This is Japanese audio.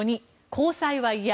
交際は嫌。